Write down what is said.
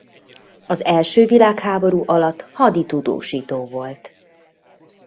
Az első világháború alatt haditudósító volt.